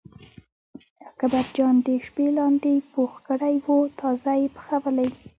اکبرجان د شپې لاندی پوخ کړی و تازه یې پخولی.